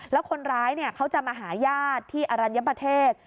แล้วคนร้ายเขาจะมาหาญาติที่อรัญญประเทศ